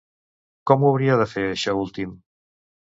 Com ho hauria de fer això últim?